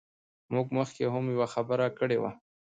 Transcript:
موږ مخکې هم یوه خبره کړې وه.